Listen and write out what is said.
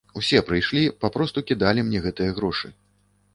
Усе прыйшлі, папросту кідалі мне гэтыя грошы.